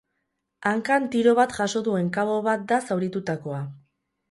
Hankan tiro bat jaso duen kabo bat da zauritutakoa.